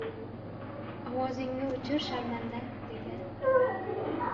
Ovozingni o‘chir sharmanda dedi.